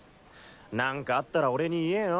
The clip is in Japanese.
何かあったら俺に言えよ。